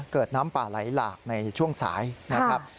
เกิดน้ำป่าไหลหลากในช่วงสายนะครับ